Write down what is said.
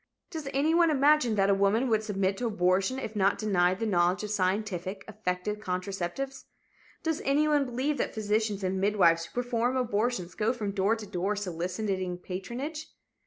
Does anyone imagine that a woman would submit to abortion if not denied the knowledge of scientific, effective contraceptives? Does anyone believe that physicians and midwives who perform abortions go from door to door soliciting patronage?